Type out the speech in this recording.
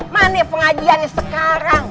mana pengajiannya sekarang